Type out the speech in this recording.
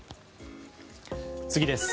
次です。